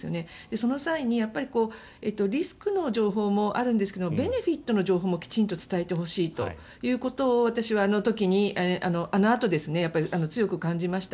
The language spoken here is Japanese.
その際に、リスクの情報もあるんですけれどもベネフィットの情報も、きちんと伝えてほしいということを私はあの時にあのあと強く感じました。